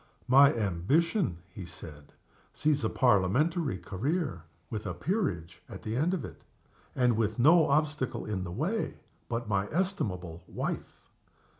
"My ambition," he said, "sees a Parliamentary career, with a Peerage at the end of it and with no obstacle in the way but my estimable wife."